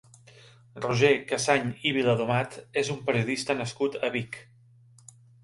Roger Cassany i Viladomat és un periodista nascut a Vic.